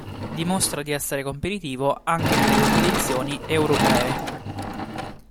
Dimostra di essere competitivo anche nelle competizioni europee.